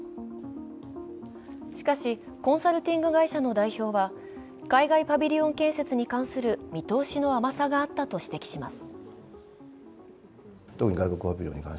しかし、コンサルティング会社の代表は海外パビリオン建設に関する見通しの甘さがあったと指摘します。